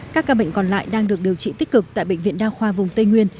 các ca bệnh còn lại đang được điều trị tích cực tại bệnh viện đa khoa vùng tây nguyên